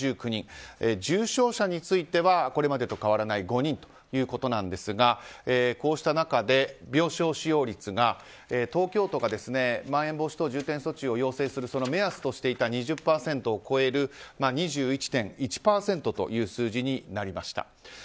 重症者についてはこれまでと変わらない５人ということなんですがこうした中で、病床使用率が東京都がまん延防止等重点措置を要請する目安としていた２０％を超える２１．１％という数字になりました。